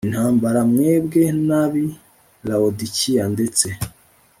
intambara mwebwe n ab i Lawodikiya ndetse